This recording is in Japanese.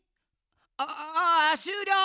ああああしゅうりょう！